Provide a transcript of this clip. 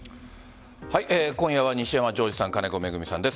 今夜は西山誠慈さん、金子恵美さんです。